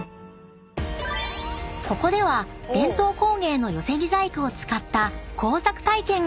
［ここでは伝統工芸の寄木細工を使った］